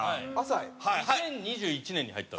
２０２１年に入ったんですよ。